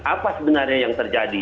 apa sebenarnya yang terjadi